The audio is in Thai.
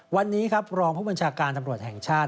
วันนี้ครับรองผู้บัญชาการตำรวจแห่งชาติ